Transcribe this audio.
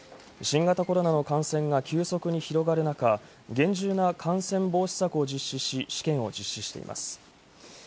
新型コロナの感染が急速に広がる中、厳重な感染防止策を実施し、試験を実施しています。